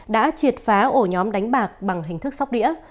đã triệt phá ổ nhóm đánh bạc bằng hình thức sóc đĩa